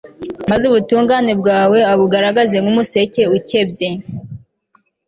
maze ubutungane bwawe abugaragaze nk'umuseke ukebye